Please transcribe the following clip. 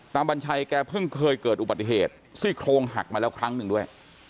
บัญชัยแกเพิ่งเคยเกิดอุบัติเหตุซี่โครงหักมาแล้วครั้งหนึ่งด้วย